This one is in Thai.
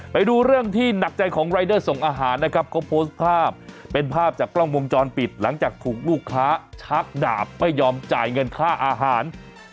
ไปดูเรื่องที่หนักใจของรายเดอร์ส่งอาหารนะครับเขาโพสต์ภาพเป็นภาพจากกล้องวงจรปิดหลังจากถูกลูกค้าชักดาบไม่ยอมจ่ายเงินค่าอาหาร